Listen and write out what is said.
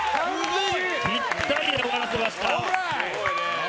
ぴったり終わらせました。